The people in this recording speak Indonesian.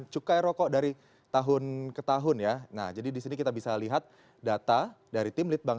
cukai rokok dari tahun ke tahun ya nah jadi disini kita bisa lihat data dari tim litbang